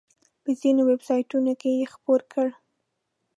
په ځینو ویب سایټونو کې یې خپور کړ.